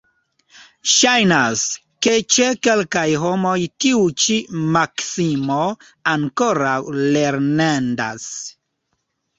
Ŝajnas, ke ĉe kelkaj homoj tiu ĉi maksimo ankoraŭ lernendas.